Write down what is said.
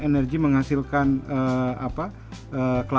ini menyebabkan manfaatannya karma